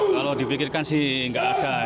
kalau dipikirkan sih nggak ada